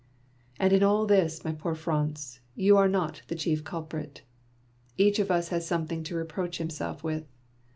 ' And in all this, my poor Franz, you are not the chief culprit. Each of us has something to reproach himself with.